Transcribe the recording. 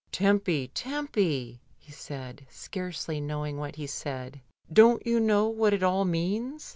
"Tempy, Tempy," he said, scarcely knowing what he said, "don't you know what it all means?"